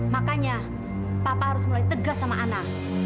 makanya papa harus mulai tegas sama ana